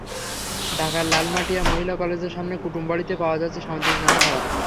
ঢাকার লালমাটিয়া মহিলা কলেজের সামনে কুটুমবাড়িতে পাওয়া যাচ্ছে সামুদ্রিক নানা খাবার।